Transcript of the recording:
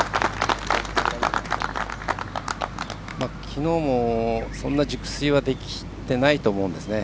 きのうもそんな熟睡はできてないと思うんですね